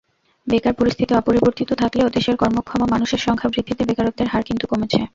বেকার পরিস্থিতি অপরিবর্তিত থাকলেও দেশের কর্মক্ষম মানুষের সংখ্যা বৃদ্ধিতে বেকারত্বের হার কিন্তু কমেছে।